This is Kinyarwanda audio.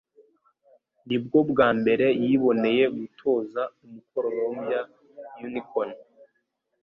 Nibwo bwa mbere yiboneye gutoza umukororombya unicorn.